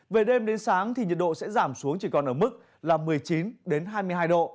về đêm đến sáng thì nhiệt độ sẽ giảm xuống chỉ còn ở mức là một mươi chín hai mươi hai độ